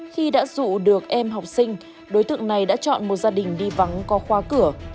khi đã dụ được em học sinh đối tượng này đã chọn một gia đình đi vắng có khóa cửa